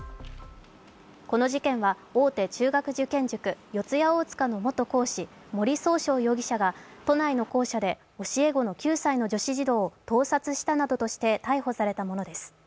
この事件は、大手中学受験塾、四谷大塚の元講師、森崇翔容疑者が都内の校舎で教え子の９歳の女子児童を盗撮したなどとして逮捕されたものです。